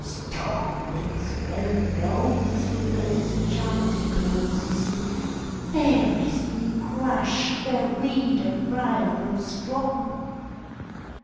Storm winds will blow through those enchanted closes, Fairies be crushed where weed and briar grow strong